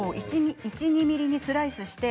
１、２ｍｍにスライスして。